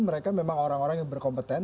mereka memang orang orang yang berkompeten